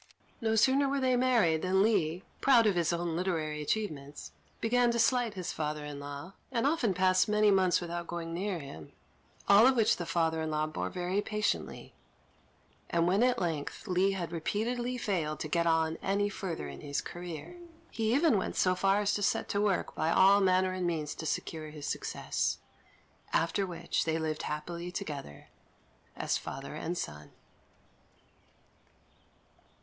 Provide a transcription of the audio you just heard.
No sooner were they married than Li, proud of his own literary achievements, began to slight his father in law, and often passed many months without going near him; all of which the father in law bore very patiently, and when, at length, Li had repeatedly failed to get on any farther in his career, he even went so far as to set to work, by all manner of means, to secure his success; after which they lived happily together as father and son.